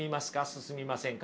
進みませんか？